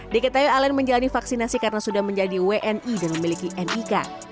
diketahui alen menjalani vaksinasi karena sudah menjadi wni dan memiliki nik